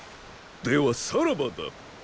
ではさらばだ！